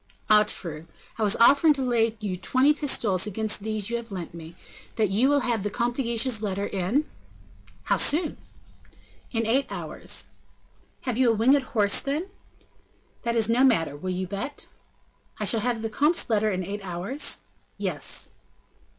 "Ah! true; I was offering to lay you twenty pistoles against these you have lent me, that you will have the Comte de Guiche's letter in " "How soon?" "In eight hours." "Have you a winged horse, then?" "That is no matter. Will you bet?" "I shall have the comte's letter in eight hours?" "Yes."